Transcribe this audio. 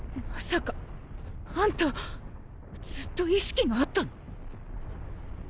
まさかあんたずっと意識があったの？